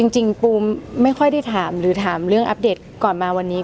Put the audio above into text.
จริงปูมไม่ค่อยได้ถามหรือถามเรื่องอัปเดตก่อนมาวันนี้